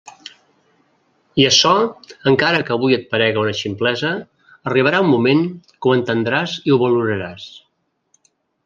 I açò, encara que avui et parega una ximplesa, arribarà un moment que ho entendràs i ho valoraràs.